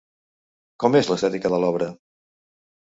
Com és l'estètica de l'obra?